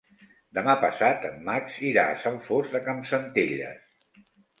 Demà passat en Max irà a Sant Fost de Campsentelles.